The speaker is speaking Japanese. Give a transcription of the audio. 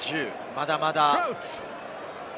まだまだ。